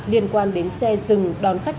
liên quan đến xe dừng đón khách